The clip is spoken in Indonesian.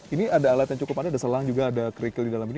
ini ada alat yang cukup ada ada selang juga ada kerikil di dalam ini